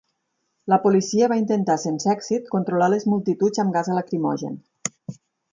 La policia va intentar sense èxit controlar les multituds amb gas lacrimogen.